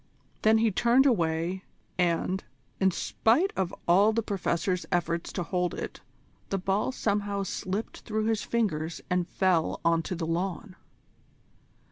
Then he turned away, and, in spite of all the Professor's efforts to hold it, the ball somehow slipped through his fingers and fell on to the lawn.